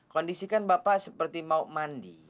kondisikan bapak seperti mau mandi